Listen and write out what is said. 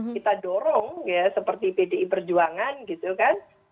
kita dorong ya seperti pdi perjuangan gitu kan